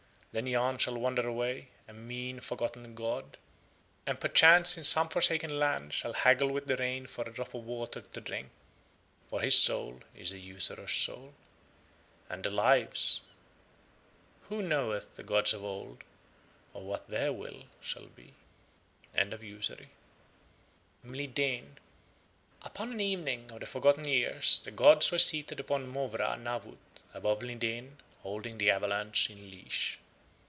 Then Yahn shall wander away, a mean forgotten god, and perchance in some forsaken land shall haggle with the rain for a drop of water to drink, for his soul is a usurer's soul. And the Lives—who knoweth the gods of Old or what Their will shall be? [Illustration: The Opulence of Yahn] MLIDEEN Upon an evening of the forgotten years the gods were seated upon Mowrah Nawut above Mlideen holding the avalanche in leash.